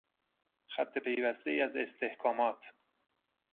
خط پیوستهای از استحکامات